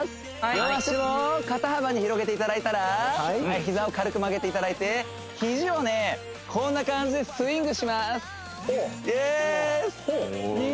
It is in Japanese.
両足を肩幅に広げていただいたらはい膝を軽く曲げていただいて肘をねこんな感じでスイングします